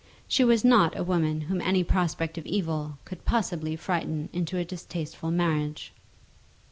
She was not a woman whom any prospect of evil could possibly frighten into a distasteful marriage.